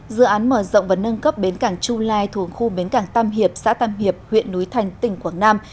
dự án mở rộng và nâng cấp bến cảng chu lai thuồng khu bến cảng tam hiệp xã tam hiệp huyện núi thành tỉnh quảng nam